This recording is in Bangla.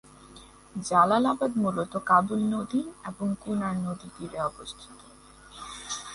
জালালাবাদ মূলত কাবুল নদী এবং কুনার নদী তীরে অবস্থিত।